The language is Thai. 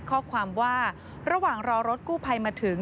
ข้อความว่าระหว่างรอรถกู้ภัยมาถึง